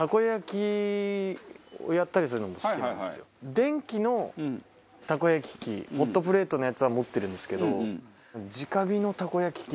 電気のたこ焼き器ホットプレートのやつは持ってるんですけど。